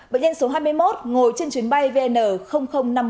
bệnh nhân số hai mươi một ngồi trên chuyến bay vn năm mươi bốn